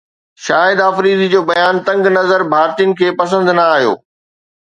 شاهد آفريدي جو بيان تنگ نظر ڀارتين کي پسند نه آيو